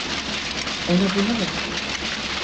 Ona bunu ver.